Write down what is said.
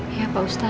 iya pak ustadz